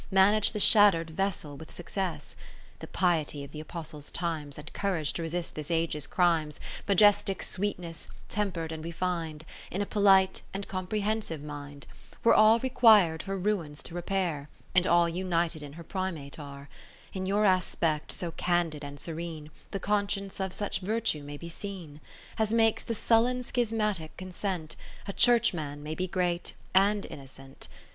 Manage the shatter'd vessel with success. The Piety of the Apostles' times And Courage to resist this Age's crimes ; Majestic sweetness, temper'd and refin'd. In a polite, and comprehensive mind, ^o ' Orig., as before, ' then.' ( 600 ) To his Grace the Ajxhbishop of Canterhia^y Were all requir'd her ruins to repair, And all united in her Primate are. In your aspect so candid and serene, The conscience of such virtue may be seen, As makes the sullen schismatic consent, A Churchman may be great and innocent.